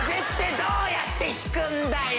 どうやってひくんだよ？